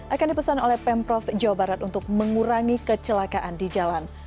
akan dipesan oleh pemprov jawa barat untuk mengurangi kecelakaan di jalan